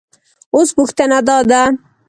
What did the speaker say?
اوس پوښتنه دا ده